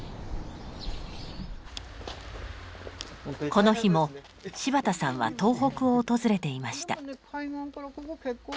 この日も柴田さんは東北を訪れていました。